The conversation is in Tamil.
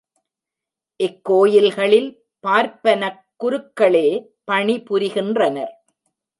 இக்கோயில்களில் பார்ப்பனக் குருக்களே பணிபுரிகின்றனர்.